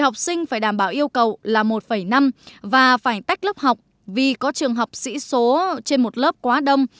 học sinh phải đảm bảo yêu cầu là một năm và phải tách lớp học vì có trường học sĩ số trên một lớp quá đông